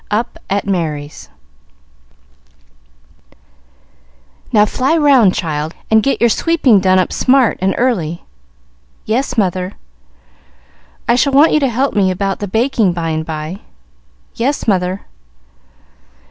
Up at Merry's "Now fly round, child, and get your sweeping done up smart and early." "Yes, mother." "I shall want you to help me about the baking, by and by." "Yes, mother."